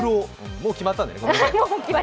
もう決まったんだよね。